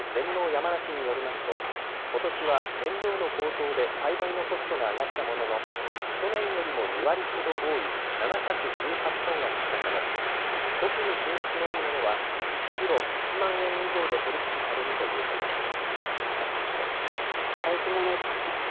やまなしによりますとことしは燃料の高騰で栽培のコストが上がったものの去年よりも２割ほど多い７１８トンが出荷され特に品質のいいものは１キロ１万円以上で取り引きされるということです。